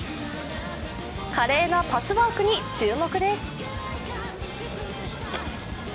華麗なパスワークに注目です。